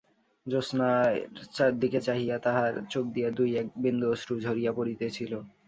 জ্যোৎস্নার দিকে চাহিয়া তাহার চোখ দিয়া দুই এক বিন্দু অশ্রু ঝরিয়া পড়িতেছিল।